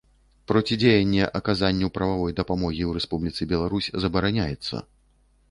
Процідзеянне аказанню прававой дапамогі ў Рэспубліцы Беларусь забараняецца.